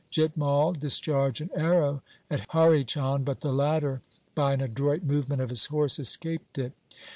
Jit Mai discharged an arrow at Hari Chand, but the latter by an adroit .movement of his horse escaped it.